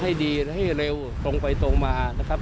ให้ดีให้เร็วตรงไปตรงมานะครับ